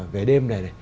về đêm này